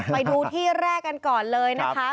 ไปดูที่แรกกันก่อนเลยนะคะ